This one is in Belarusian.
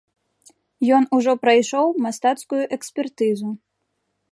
Ён ужо прайшоў мастацкую экспертызу.